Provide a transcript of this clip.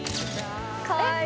かわいい。